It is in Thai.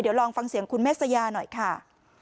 เดี๋ยวลองฟังเสียงคุณเมษยาหน่อยค่ะ